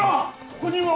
ここにも！